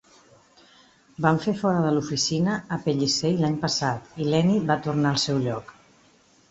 Van fer fora de l'oficina a Pellissey l'any passat, i Lennie va tornar al seu lloc.